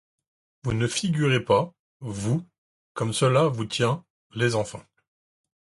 Vous ne vous figurez pas, vous, comme cela vous tient, les enfants!